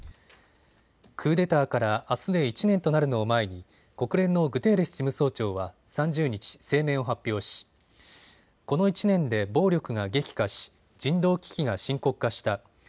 クーデターからあすで１年となるのを前に国連のグテーレス事務総長は３０日、声明を発表しこの１年で暴力が激化し人道危機が深刻化した。